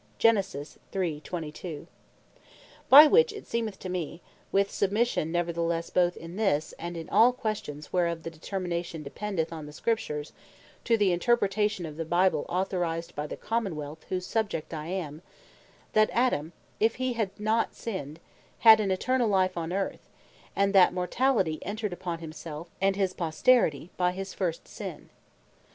(Gen. 3. 22.) By which it seemeth to me, (with submission neverthelesse both in this, and in all questions, whereof the determination dependeth on the Scriptures, to the interpretation of the Bible authorized by the Common wealth, whose Subject I am,) that Adam if he had not sinned, had had an Eternall Life on Earth: and that Mortality entred upon himself, and his posterity, by his first Sin.